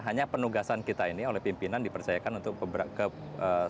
hanya penugasan kita ini oleh pimpinan dipercayakan untuk beberapa